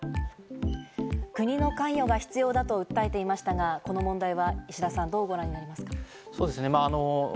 国の関与が必要だと訴えていましたが、この問題は石田さん、どうご覧になりますか？